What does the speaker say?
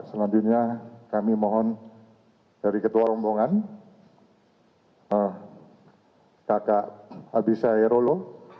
selanjutnya kami mohon dari ketua rombongan kakak abisai rolo